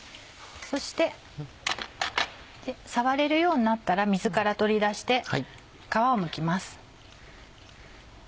そして触れるようになったら水から取り出して皮をむきます。